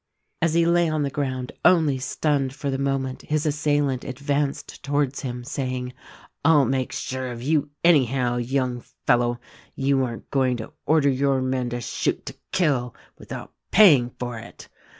As he lay on the ground, only stunned for the moment, his assailant advanced towards him saying, "I'll make sure of you anyhow, young fellow. You aren't going to order your men to shoot to kill, without paying for it."